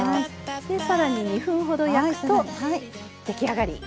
で更に２分ほど焼くと出来上がり。